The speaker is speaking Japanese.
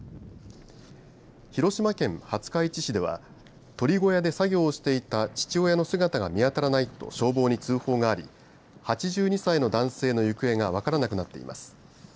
広島県廿日市市では鳥小屋で作業していた父親の姿が見当たらないと消防に通報があり８２歳の男性の行方が分からなくなっています。